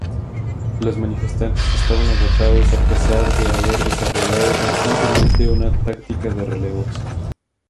Los "manifestantes" estaban agotados a pesar de haber desarrollado constantemente una táctica de relevos.